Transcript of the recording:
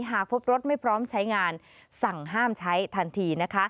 หากพบรถไม่พร้อมใช้งานสั่งห้ามใช้ทันทีนะคะ